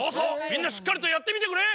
みんなしっかりとやってみてくれ！